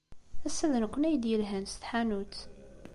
Ass-a d nekkni ay d-yelhan s tḥanut.